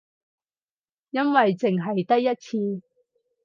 因為淨係得一次